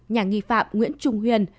nhà nghi phạm nguyễn trung huyền